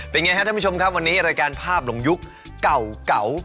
เป็นไงครับท่านผู้ชมครับวันนี้รายการภาพหลงยุคเก่า